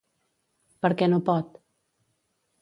Per què no pot?